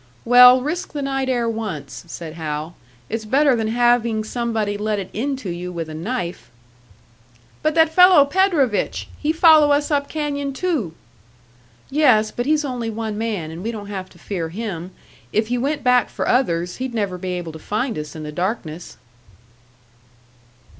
"Well, risk the night air once," said Hal. "It's better than having somebody let it into you with a knife." "But that fellow Predovich he follow us up canyon too!" "Yes, but he's only one man, and we don't have to fear him. If he went back for others, he'd never be able to find us in the darkness."